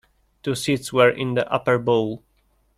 Two seats were in the upper bowl.